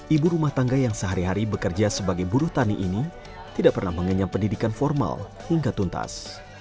ibu rumah tangga yang sehari hari bekerja sebagai buruh tani ini tidak pernah mengenyam pendidikan formal hingga tuntas